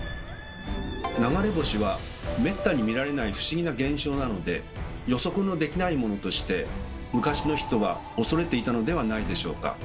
流れ星はめったに見られない不思議な現象なので予測のできないものとして昔の人は恐れていたのではないでしょうか。